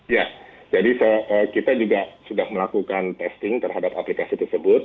ya jadi kita juga sudah melakukan testing terhadap aplikasi tersebut